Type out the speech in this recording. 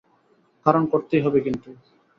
কারণ করতেই হবে কিন্তু।